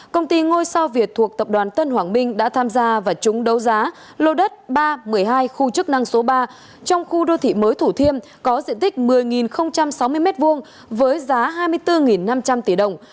công ty ngôi sao việt thuộc tập đoàn tân hoàng minh đã tham gia và chúng đấu giá lô đất ba một mươi hai khu chức năng số ba trong khu đô thị mới thủ thiêm có diện tích một mươi sáu mươi m hai với giá hai mươi bốn năm trăm linh tỷ đồng